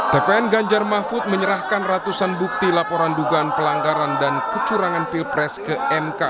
tpn ganjar mahfud menyerahkan ratusan bukti laporan dugaan pelanggaran dan kecurangan pilpres ke mk